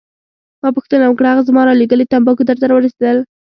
ما پوښتنه وکړه: هغه زما رالیږلي تمباکو درته راورسیدل؟